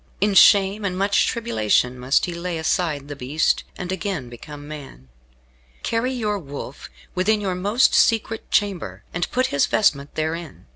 In shame and much tribulation must he lay aside the beast, and again become man. Carry your wolf within your most secret chamber, and put his vestment therein.